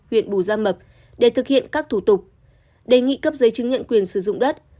huyện bù gia mập để thực hiện các thủ tục đề nghị cấp giấy chứng nhận quyền sử dụng đất